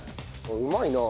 うまいなあ。